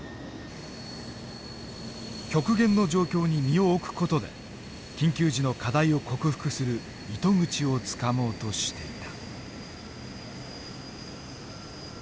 極限の状況に身を置く事で緊急時の課題を克服する糸口をつかもうとしていた。